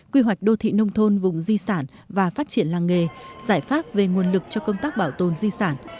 quy hoạch đô thị nông thôn vùng di sản và phát triển làng nghề giải pháp về nguồn lực cho công tác bảo tồn di sản